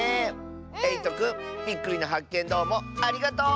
えいとくんびっくりなはっけんどうもありがとう！